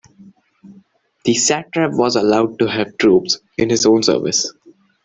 The satrap was allowed to have troops in his own service.